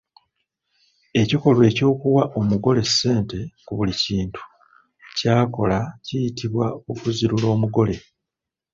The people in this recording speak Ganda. Ekikolwa eky'okuwa omugole ssente ku buli kintu ky’akola kiyitibwa okuzirula omugole.